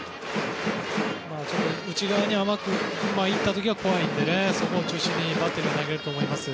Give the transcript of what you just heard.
内側に甘くいった時は怖いのでそこを中心にバッテリーは投げると思います。